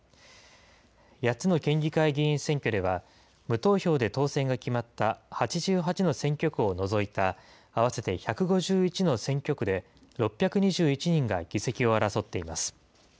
８つの県議会議員選挙では、無投票で当選が決まった８８の選挙区を除いた合わせて１５１の選挙区で６２１人が議席を争っています。